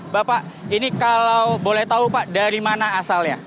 bapak ini kalau boleh tahu pak dari mana asalnya